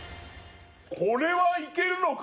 これはいけるのか？